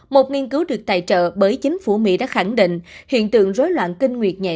một nghiên cứu được tài trợ bởi chính phủ mỹ đã khẳng định hiện tượng rối loạn kinh nguyệt nhẹ